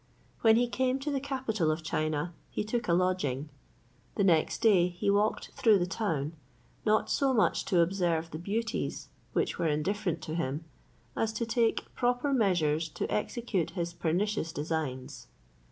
When he came to the capital of China, he took a lodging. The next day he walked through the town, not so much to observe the beauties, which were indifferent to him, as to take proper measures to execute his pernicious designs.